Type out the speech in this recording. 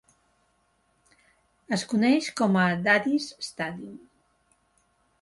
Es coneix com a Daddy's Stadium.